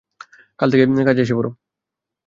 কাল থেকে কাজে এসে পড়ো।